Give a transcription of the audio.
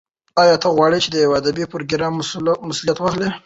ایا ته غواړې د یو ادبي پروګرام مسولیت واخلې؟